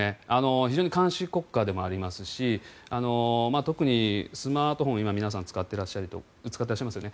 非常に監視国家でもありますし特にスマートフォン今、皆さん使っていらっしゃいますよね。